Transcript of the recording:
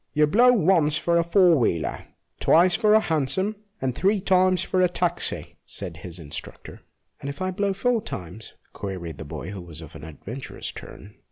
" You blow once for a four wheeler, twice for a hansom, and three times for a taxi," said his instructor. " And if I blow four times? " queried the boy, who was of an adventurous turn.